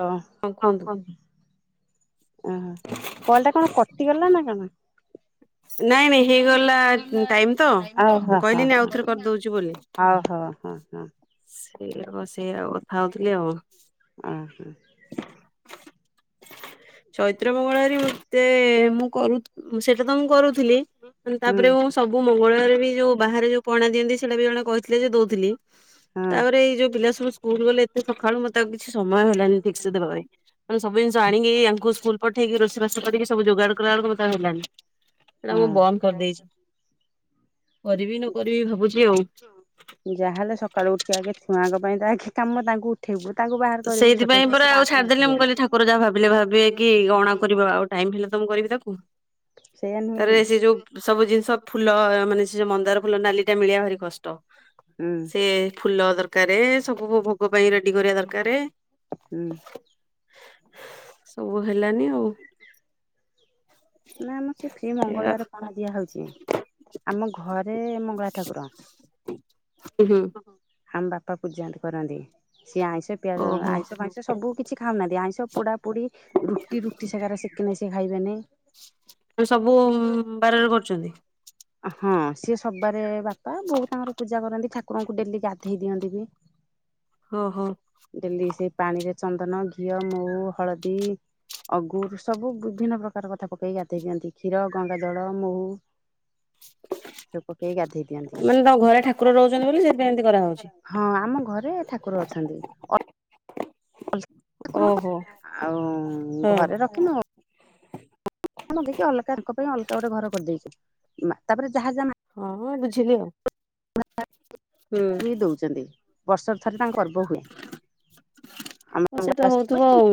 ହଁ କୁହନ୍ତୁ। ଓହୋ କଲ୍ ଟା କଣ କଟିଗଲା ନା କଣ? ନାଇଁ ନାଇଁ ହେଇଗଲା ଟାଇମ ତ ଓହୋ ମୁଁ ହୋ ହୋ। କହିଲିନି ଆଉଥରେ କରିଦଉଛି ହଉ ହଉ ହଁ ହଁ। ସେୟାକୁ ସେୟାକୁ କଥା ହଉଥିଲି ଆଉ। ଉଁ ହୁଁ। ଚୈତ୍ର ମଙ୍ଗଳାବାରେ ମତେ ମୁଁ କରୁ ସେତ୍ ଟତ ମୁ କରୁଥିଲି ମାନେ ତାପରେ ମୁଁ ସବୁ ମଙ୍ଗଳବାରେ ବି ଯୋଉ ବାହାରେ ଯୋଉ ପଣା ଦିଅନ୍ତି ସେଇଟା ବି ଜଣେ କହିଥିଲେ ଯେ ଦଉଥିଲି। ହଁ ତାପରେ ଏଇ ଯୋଉ ପିଲା ସବୁ ସ୍କୁଲ ଗଲେ ଏତେ ସଖାଳୁ ମତେ ଆଉ କିଛି ସମୟ ହେଲାନି ଠିକ୍ ସେ ଦେବା ପାଇଁ। ମାନେ ସବୁ ଜିନିଷ ଆଣିକି ଆଙ୍କୁ ସ୍କୁଲ ପଠେଇକି ରୋସେଇ ବାସ କରିକି ସବୁ ଯୋଗାଡ କଲା ବେଳୁକୁ ମତେ ଆଉ ହେଲାନି। ସେଇଟା ମୁଁ ବନ୍ଦ କରିଦେଇଛି ହଁ। କରିବି ନ କରିବି ଭାବୁଚି ଆଉ। ଯାହାହେଲେ ସକାଳୁ ଉଠିକି ଆଗେ ଛୁଆଙ୍କ ପାଇଁତ ଆଗେ କାମ ତାଙ୍କୁ ଉଠେଇବୁ ତାଙ୍କୁ ବାହାର କରିବୁ ଛୋଟ ଛୁଆ ସେ ଦାନ୍ତ ଘଷିବେନି ପିଲେ ଭାବିବେ କି କଣ ଆଉ କରିବ ଆଉ ଟାଇମ ହେଲା ତ ମୁଁ କରିବି ତାକୁ। ସେଇଆ ନୁହେଁ କି ତାରେ ସେ ଯୋଉ ସବୁ ଜିନିଷ ଫୁଲ ମାନେ ସେ ଯୋ ମନ୍ଦାର ଫୁଲ ନାଲି ଟା ମିଳିବା ଭାରି କଷ୍ଟ। ହୁଁ ସେ ଫୁଲ ଦରକାରେ ସବୁ ଭୋ-ଭୋଗ ପାଇଁ ରେଡି କରିବା ଦରକାରେ। ହୁଁ। ସବୁ ହେଲାନି ଆଉ। ନା ଆମର ସେ ଫ୍ରୀ ଏୟା ମଙ୍ଗଳବାରେ ପଣା ଦିଆ ହଉଚି ଆମ ଘରେ ମଙ୍ଗଳା ଠାକୁର। ଉଁ ହୁଁ। ଆମ ବାପା ପୂଜା କରନ୍ତି ସିଏ ଆଇଁଷ ପିଆଜ ଓହୋ ଆଇଁଷ ଫାଇଁଷ ସିଏ ସବୁ କିଛି ଖାଉନାହାନ୍ତି ଆଇଁଷ ପୋଡା ପୁଡି ରୁଟି ରୁଟି ସେକା ରେ ସେକିନେ ସେ ଖାଇବେନି। ତାହେଲେ ସବୁ ବାରରେ କରୁଚନ୍ତି? ହଁ ସିଏ ସବାରେ ବାପା ବୋଉ ତାଙ୍କର ପୂଜା କରନ୍ତି ଠାକୁରଙ୍କୁ ଡେଲି ଗାଧେଇ ଦିଅନ୍ତି ବି। ଓ ହୋ। ଡେଲି ସେଇ ପାଣିରେ ଚନ୍ଦନ ଘିଅ ମହୁ ହଳଦୀ ଅଗୁର୍ ସବୁ ବିଭିନ୍ନ ପ୍ରକାର କଥା ପକେଇକି ଗାଧଇ ଦିଅନ୍ତି କ୍ଷୀର ଗଙ୍ଗାଜଳ ମହୁ ନା ସୁୁବୁ ପକେଇ ଗାଧେଇ ଦିଅନ୍ତି। ମାନେ ତମ ଘରେ ଠାକୁର ରହୁଚନ୍ତି ବୋଲି ସେଇଥିପାଇଁ ଏମିତି କରାହଉଚି। ହଁ ଆମ ଘରେ ଠାକୁର ଅଛନ୍ତି। ଓହୋ [inaudible] ଆଉ ହଁ। ଘରେ ରଖିନୁ ମୁଁ ଟିକେ ଅଲଗାଙ୍କ ପାଇଁ ଅଲଗା ଗୋଟେ ଘର କରିଦେଇଚି, ତାପରେ ଯାହା ଯାହା ହଁ ହଁ ବୁଝିଲି ଆଉ। [inaudible] ଫ୍ରୀ ଦଉଚନ୍ତି ବର୍ଷକୁ ଥରେ ତାଙ୍କ ପର୍ବ୍ ହଁ ସେଟା ହଉଥିବ ଆଉ।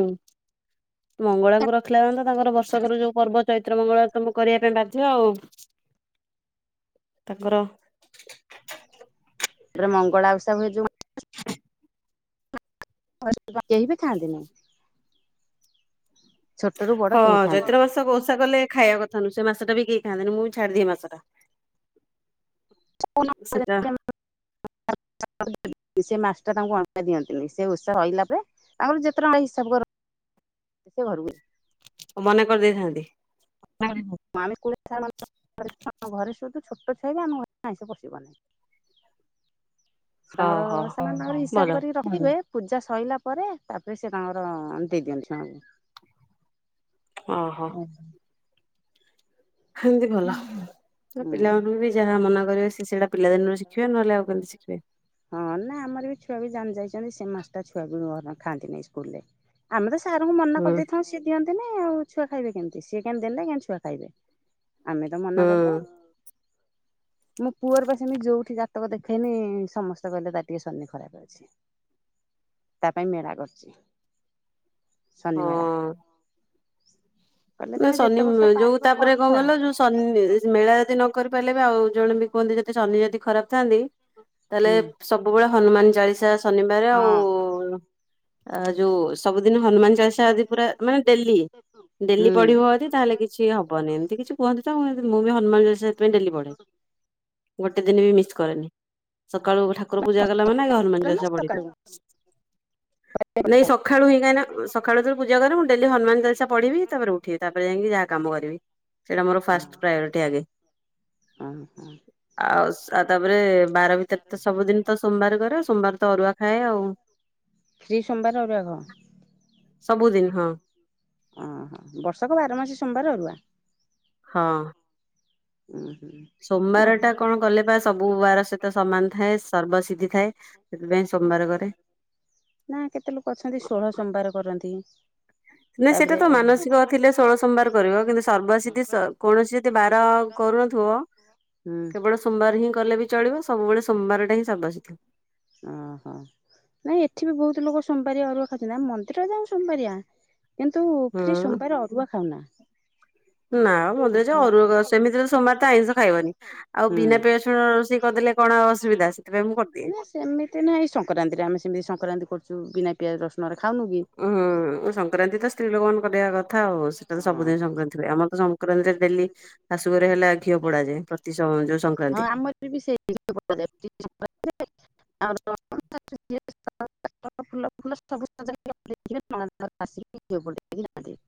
ମଙ୍ଗଳାଙ୍କୁ ରଖିଲା ମାନେ ତ ତାଙ୍କର ବର୍ଷକର ଯୋଉ ପର୍ବ ଚୈତ୍ର ମଙ୍ଗଳବାର ତମୁକୁ କରିବା ପାଇଁ ବାଧ୍ୟ ଆଉ। ତାଙ୍କର ଏଥିରେ ମଙ୍ଗଳାଓଷା ହୁଏ ଯୋଉ ମା [inaudible] କେହି ବି ଖାଆନ୍ତିନି। ଛୋଟରୁ ବଡ ହଁ କେହି ଖାଆନ୍ତିନି। ଚୈତ୍ର ମାସ ବ-ଓଷା କଲେ ଖାଇଆ କଥା ନୁହୁଁ, ସେ ମାସ ଟା ବି କେହି ଖାଆନ୍ତିନି ମୁଁ ବି ଛାଡିଦିଏ ହେଇ ମାସଟା। [unintelligible] ସେଟା [inaudible] ସେ ମାସ୍ ଟା ତାଙ୍କୁ ଅ-ଦିଅନ୍ତିନି ସେ ଓଷା ସଇଲା ପରେ ତାଙ୍କର ଯେତେ ଟଙ୍କା ହିସାବ କର ଯେ ସେ ଘରୁକୁ ଓ ମନା କରିଦେଇଥାନ୍ତି। [inaudible] [inaudible] ଘରେ ସୁଦୁ ଛୋଟ ଛୁଆ ବି ଆମ ଘରେ ଆ-ଇଁଷ ପଶିବନି। ସେ ହଉ ତାଙ୍କର ହଉ ସେମାନେ ତାଙ୍କର ଭଲ ହିସାବ କରିକି ରଖ୍ ରଖିଥିବେ ପୂଜା ସଇଲା ପରେ ତାପରେ ସେ ତାଙ୍କର ଦେଇଦିଅନ୍ତି ସେମାନଙ୍କୁ। ଅଁ ହଁ। ହେମତି ଭ ତ ହୁଁ। ପିଲାମାନଙ୍କୁ ବି ଯାହା ମନା କରିବ ସେ ସେଇଟା ପିଲାଦିନରୁ ଶିଖିବେ ନହେଲେ ଆଉ କେମିତି ଶିଖ୍ [unintelligible] ହଁ ନା ଆମର ବି ଛୁଆ ବି ଜାଣି ଯାଇଚନ୍ତି ସେ ମାସ୍ ଟା ଛୁଆବି [inaudible] ଖାନ୍ତିନି ଇସ୍କୁଲ୍ ରେ। ଆମେ ତ ସାରଙ୍କୁ ମନା ହୁଁ କରିଦେଇଥାଉ ସିଏ ଦିଅନ୍ତିନି ଆଉ ଛୁଆ ଖାଇବେ କେମତି। ସିଏ କିଆଁ ଦେମେ କିଆଁ ଛୁଆ ଖାଇବେ। ଆମେ ତ ହୁଁ ମନା କରିଦଉ। ମୋ ପୁଅର ପା ସେମିତି ଯୋଉଠି ଜାତକ ଦେଖେଇନି ସମସ୍ତେ କହିଲେ ତାର ଟିକେ ଶନି ଖରାପ ଅଛି। ତା ପାଇଁ ମେଳା କରିଚି ଶନିମେଳା। ହଁ। ନା ତମେ ଯେତେ ବର୍ଷ ଶନିମେ ଯୋଉ ପାରିବ ତାପରେ କଣ କରୁଥାଅ। ଗଲ ଯୋଉ ଶନି ମେଳା ଯଦି ନ କରି ପାରିଲେବି ଆଉ ଜଣେ ବି କୁହନ୍ତି ଯଦି ଶନି ଯଦି ଖରାପ୍ ଥାଆନ୍ତି ତାହେଲେ ହୁଁ ସବୁବେଳେ ହନୁମାନ ଚାଳିଶା ଶନିବାରେ ଆଉ ହଁ। ଆ ଯୋଉ ସବୁଦିନି ହନୁମାନ ଚାଳିଶା ଯଦି ପୁରା ମାନେ ଡେଲି ହୁଁ। ଡେଲି ପଢିବ ଯଦି ତାହେଲେ କିଛି ହବନି ଏମିତି କିଛି କୁହନ୍ତି ତ ମୁଁ ହେନ୍ତି ମୁଁ ବି ହନୁମାନ ଚାଳିଶା ସେଥିପାଇଁ ଡେଲି ପଢେ। ଗୋଟେ ଦିନ ବି ମିସ୍ କରେନି ସକାଳୁ ଠାକୁର ପୂଜା କଲା ମାନେ ଆଗ ହନୁମାନଚାଲି ସା ପଢ଼ିବି। ସକାଳୁ ନାଇଁ ସଖାଳୁ ଇଏ କାହିଁନା ସଖାଳୁ ଯେତେବେଳେ ପୂଜା କରେ ମୁଁ ଡେଲି ହନୁମାନ ଚାଲିସା ପଢିବି ତାପରେ ଉ ଠିବି ତାପରେ ଯାଇଁକି ଯାହା କାମ କରିବି ସେଇଟା ମୋର ଫାଷ୍ଟ ପ୍ରାୟୋରିଟି ଆଗେ। ହଁ ହଁ। ଆଉ ଆଉ ତାପରେ ବାର ଭିତରେ ତ ସବୁଦିନ ତ ସୋମବାର କରେ ସୋମବାର ତ ଅରୁଆ ଖାଏ ଆଉ। ଶ୍ରୀ ସୋମବାରେ ଅରୁଆ ଖାଅ? ସବୁଦିନ ହଁ। ଅ ହଁ ବର୍ଷକ ବାରମାସି ସୋମବାରେ ଅରୁଆ? ହଁ। ଉଁହୁ। ସୋମବାରଟା କଣ। କଲେ ବା ସବୁ ବାର ସହିତ ସମାନ ଥାଏ ସର୍ବସିଧି ଥାଏ ସେଥିପାଇଁ ସୋମବାର କରେ। ନା କେତେଲୋକ ଅଛନ୍ତି ଷୋହଳ ସୋମବାର କରନ୍ତି। ନାଇଁ ସେଟା ତ ମାନସିକ ଥିଲେ ଷୋଳ ସମ୍ବାର କରିବ କିନ୍ତୁ ସର୍ବସିଧି କୌଣସି। ଏତେ ବାର କରୁନଥିବ। ହୁଁ। କେବଳ ସୋମବାର ହିଁ କଲେ ବି ଚଳିବ ସବୁବେଳେ ସୋମବାରା ହିଁ ସର୍ବସିଧି। ଓହୋ। ନାଇଁ ଏଠି ବି ବହୁତ ଲୋକ ସୋମ୍ବାରିଆ ଅରୁଆ ଖାଉଛନ୍ତି ଆମେ ମନ୍ଦିର ଯାଉ ସୋମ୍ବାରିଆ। କିନ୍ତୁ ହୁଁ ଫ୍ରୀ ସୋମବାର ଅରୁଆ ଖାଉନା। ନା ମନ୍ଦୀର ଯାଅ ହୁଁ। ଅରୁଆ କ ସେମିତିରେ ତ ସୋମବାରଟା ଆଇଁଷ ଖାଇବନି ଆଉ। ବିନା ପିଆଜ ରସୁଣ ରୋଷେଇ କରିଦେଲେ କଣ ଅସୁବିଧା ସେଥିପାଇଁ ମୁଁ କରଦିଏ। ନା ସେମିତି ନାହିଁ ସଂକ୍ରାନ୍ତିରେ ଆମେ ସେମିତି ସଂକ୍ରାନ୍ତି କରୁଛୁ ବିନା ପିଆଜ ରସୁଣରେ ଖାଉନୁ କି। ଉଁହୁ ସଂକ୍ରାନ୍ତି ତ ସ୍ତ୍ରୀ ଲୋକମାନେ କରିବା କଥା ଆଉ ସେଟା ତ ହଁ ସବୁଦିନ ସଂକ୍ରାନ୍ତି ଥିଲେ ଆମର ତ ସଂକ୍ରାନ୍ତିରେ। ଡେଲି ଶାଶୁଘରେ ହେଲା ଘିଅ ପୋଡାଯାଏ ପ୍ରତି ସଂ ଯୋଉ ହଁ ସଂକ୍ରାନ୍ତି। ଆମର ବି ସେଇ ଘିଅ ପୋଡ଼ାଯାଏ ଯେତେ ସଂକ୍ରାନ୍ତିରେ ଆମର। [unintelligible] ଫୁଲ ଫୁଲ ସବୁ ସଜାହେଇକି ରଖିଥିବେ ପଣା ଦବାକୁ [unintelligible]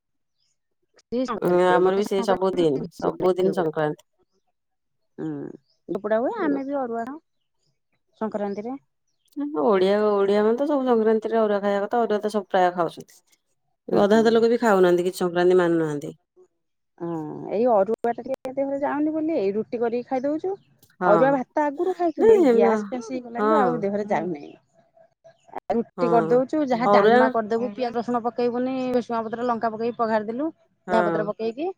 ଉଁ ଆମର ବି ସେ ସବୁ। ଦିନ ସବୁଦିନ ହୁଁ। ସଂକ୍ରାନ୍ତି। ଆଜି ଅରୁଆଣ ସଂକ୍ରାନ୍ତିରେ। ଓଡିଆଗୋ ଓଡିଆମାନେ ତ ସବୁ ସଂକ୍ରାନ୍ତିରେ ଅରୁଆ ଖାଇବା କଥା ଅରୁଆ ତ ସବୁ ପ୍ରାୟ ଖାଉଛନ୍ତି। ଅଧା ହୁଁ। ଅଧା ଲୋକ ବି ଖାଉନାହାନ୍ତି କିଛି ସଂକ୍ରାନ୍ତି ମାନୁନାହାନ୍ତି। ହଁ ଏଇ ଅରୁଆଟା ଟିକେ ଇଆଦେହରେ ଯାଉନି ବୋଲି ଏଇ ରୁଟି କରିକି ଖାଇଦଉଛୁ। ହଁ ଅରୁଆ ଭାତ ଆଗୁରୁ ନାଇଁ ଖାଇଥିଲୁ ଏଇ ହେମ ଗ୍ୟାସ ଫ୍ୟାସ୍ ହଁ ହେଇଗଲାଣି ତ ଆଉ ଦେହରେ ଯାଉନାଇଁ। ରୁଟି ହଁ କରିଦଉଛୁ ଯାହା ଅରୁଆ ଡାଲମା କରିଦବୁ ପିଆଜ ରସୁଣ ପ ପକେଇବୁନି ଭେରସୁଙ୍ଗା ପତ୍ର ଲଙ୍କା ପକେଇ ପଘାରିଦେଲୁ ଧଆଁ ପତ୍ର ହଁ। ପକେଇକି।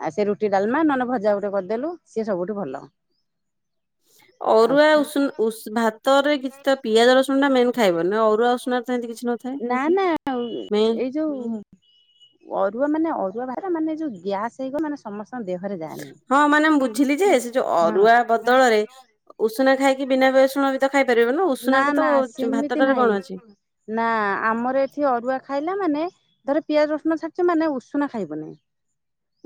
ଆଉ ସେ ରୁଟି ଡାଲମା ନହେଲେ ଭଜା ଗୋଟେ କରିଦେଲୁ ସିଏ ସବୁଠୁ ଭଲ। [unintelligible] ଆଉ ଅରୁଆ ଉଷୁନ ଉଷ ଭାତରେ କିଛି ତ ପିଆଜ ରସୁଣଟା ମେନ୍ ଖାଇବନି ନହ ଅରୁଆ ଉଷୁନାରେ ତ ହେମତି କିଛି ନଥାଏ। ନା ନା। [unintelligible] ଏଇ ଯୋଉ ଅରୁଆ ମାନେ ଅରୁଆ ଭା ମାନେ ଯୋଉ ଗ୍ୟାସ ହେଇଗଲେ ମାନେ ସମସ୍ତଙ୍କ ଦେହ। ହଁ ମାନେ ମୁଁ ବୁଝିଲି ଯେ ସେ ଯୋଉ ଅରୁଆ ବଦଳରେ ହଁ। ଉଷୁନା ଖାଇକି ବିନା ଉଷୁନା ବି ତ ଖାଇପାରିବ ନା ଉଷୁନାଟା ତ ନା ଯୋ ସେମିତି ଭାତଟାରେ ନାହିଁ କଣ ଅଛି। ନା ଆମର ଏଠି ଅରୁଆ ଖାଇଲା ମାନେ ଧର ପିଆଜ ରସୁନ ଛାଡିଛ ମାନେ ଉସୁନା ଖାଇବନି।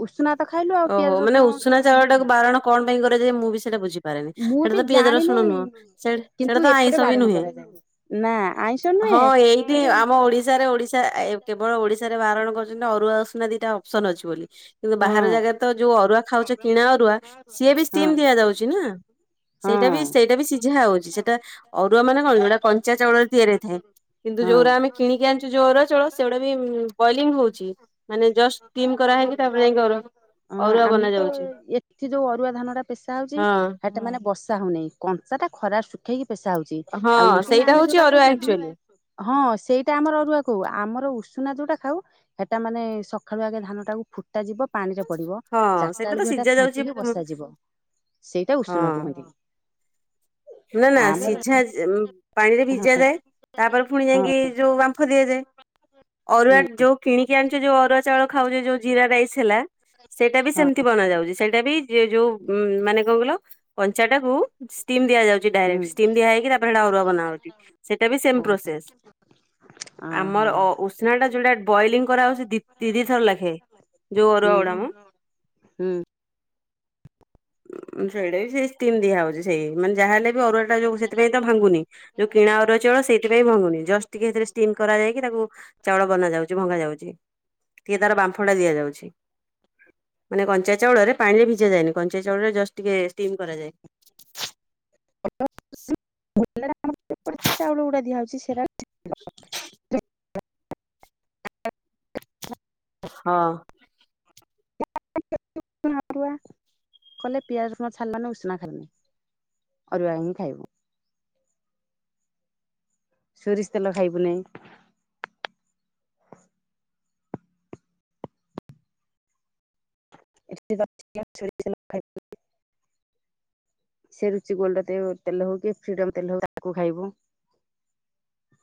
ଉଷୁନା ତ ଖାଇଲୁ ଆଉ ଓହୋ ପିଆଜ ମାନେ ରସୁଣ ଉଷୁନା ଛାଡିକି ଚାଉଳ ଲାଭ ଟାକୁ ବାରଣ କଣ? ପାଇଁ କରାଯାଏ ମୁଁ ବି ସେଇଟା ବୁଝିପାରେନି। ମୁଁ ସେଇଟା ତ ବି ପିଆଜ ରସୁଣ ଜାଣିନି ନୁହଁ ସେ ସେଇଟା କିନ୍ତୁ ତ ଆଇଁଷ ଏପଟେ ବି ବାରଣ ନୁହେଁ। କରାଯାଏ ନା ଆଇଁଷ ହଁ ନୁହେଁ ଏଇଠି କିନ୍ତୁ ଆମ ଓଡିଶାରେ ଓଡିଶା କେବଳ ଓଡିଶାରେ ବାରଣ କରୁଛନ୍ତି ଅରୁଆ ଉଷୁନା ଦିଟା ଅପସନ୍ ଅଛି ବୋଲି କିନ୍ତୁ ବାହାର ଜାଗାରେ ତ ଯୋଉ ଅରୁଆ ଖାଉଛ ହଁ କିଣା ଅରୁଆ ସିଏ ବି ଷ୍ଟିମ୍ ଦିଆଯାଉଛି ନା। ହଁ ସେଇଟା ବି ସେଇଟା ବି ସିଝା ହଉଛି ସେଇଟା ଅରୁଆମାନେ କଣ ଯୋଉଟା କଞ୍ଚା ଚାଉଳରେ ତିଆରି ହେଇଥାଏ। କିନ୍ତୁ ହଁ ଯୋଉରା ଆମେ ହଁ କିଣିକି ଆଣିଛୁ ଯୋଉ ଅରୁଆ ଚାଉଳ ସେଗୁଡା ବି ବଏଲିଙ୍ଗ ହଉଛି। ମାନେ ଜଷ୍ଟ ଟିମ୍ କରାହଇକି ତାପରେ ଯାଇକି ଅରୁଆକୁ ହଁ ଆମେ ତ ଏଠି ଯୋଉ ଅରୁଆ ଧାନଟା ପେଶା ହଉଛି ହଁ। ସେଟା ମାନେ ବସ ସା ହଉନେଇ କଞ୍ଚା ଟା ଖରା ଶୁଖେଇକି ପେଶା ହଉଛି ଆଉ ହଁ ଉଷୁନା ସେଇଟା ଆମେ ହଉଛି ଯୋଉଟା ଅରୁଆ କହୁଛନ୍ତି ଆକ୍ଚୁଆଲି। ହଁ ସେଇଟା ଆମର ଅରୁଆ କହୁ ଆମର ଉଷୁନା ଯୋଉଟା ଖାଉ ସେଟା ମାନେ ସକାଳୁ ଆଗେ ଧାନଟାକୁ ଫୁଟା ଯିବ ପାଣି ରେ ପଡିବ ହଁ ଚାରିଟା ସେଇଟା ତ ବେଳକୁ ହେଟା ସିଝା ଯାଉଛି ଛାଙ୍କିକି ଉଁ ବସାଯିବ ସେଇଟା ହଁ ଉଷୁନା କୁହନ୍ତି। ନା ନା ଆମର ସିଝା ପାଣିରେ ଭିଜ ଯାଏ ତାପରେ ପୁଣି ହଁ ଯାଇକି ଯୋଉ ବାମ୍ଫ ଦିଆଯାଏ। ଅରୁଆ ହୁଁ ଯୋଉ କିଣିକି ଆଣୁଛେ ଯୋଉ ଅରୁଆ ଚାଉଳ ଖାଉଛେ ଯୋଉ ଜିରା ରାଇସ୍ ହେଲା ସେଇଟା ବି ହଁ ସେମିତି ବନା ଯାଉଛି ସେଇଟା ବି ଯ ଯୋଉ ଉ ମାନେ କଣ କିଲ କଞ୍ଚାଟାକୁ ଷ୍ଟିମ୍ ଦିଆଯାଉଛି ହୁଁ ଡାଇରେକ୍ଟ ଷ୍ଟିମ୍ ଦିଆ ହେଇକି ତାପରେ ସେଟା ଅରୁଆ ବନାଉଛି ସେଇଟା ବି ସେମ ପ୍ରୋସେସ। ଓହୋ ଆମର ଉଷୁନା ଟା ଯୋଉଟା ବଏଲିଙ୍ଗ କରାଉଛି ଦି ଦି ଥର ଲାଖେ ଯୋଉ ହୁଁ ଅରୁଆ ଗୁଡାମ। ହୁଁ। ସେଇଟା ବି ସେଇ ଷ୍ଟିମ ଦିଆ ହଉଛି ସେଇ ମାନେ ଯାହାହେଲେ ବି ଅରୁଆ ଯଉ ସେଥିଇଁ ତ ଭାଙ୍ଗୁନି ଯୋଉ କିଣା ଅରୁଆ ଚାଉଳ ସେଇଥି ପାଇଁ ଭାଙ୍ଗୁନି ଜଷ୍ଟ ଟିକିଏ ସେଥିରେ ଷ୍ଟିମ କରାଯାଇକି ତାକୁ ଚାଉଳ ବନା ଯାଉଛି ଭଙ୍ଗା ଯାଉଛି ଟିକିଏ ତାର ବାମ୍ଫଟା ଦିଆଯାଉଛି। ମାନେ କଞ୍ଚା ଚାଉଳରେ ପାଣିରେ ଭିଜା ଯାନି କଞ୍ଚା ଚାଉଳରେ ଜଷ୍ଟ ଟିକେ ଷ୍ଟିମ୍ କରାଯାଏ। [unintelligible] ଚାଉଳ ଗୁଡା ଦିଆଉଛି ସେରା ହଁ। [unintelligible] କଲେ ପିଆଜ ରସୁଣ ଛାଡ଼ିଲ ମାନେ ଉଷୁନା ଖାଇବନି। ଅରୁଆ ହିଁ ଖାଇବୁ। ସୋରିଷ ତେଲ ଖାଇବୁ ନେଇ [unintelligible] ସେ ରୁଚି ଗୋଲଡତେ ତେଲ ହଉ କି ଫ୍ରିଡମ ତେଲ ହଉ ତାକୁ ଖାଇବୁ।